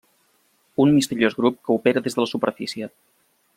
Un misteriós grup que opera des de la superfície.